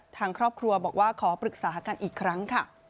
ทางครอบครัวบอกว่าขอปรึกษากันอีกครั้งค่ะ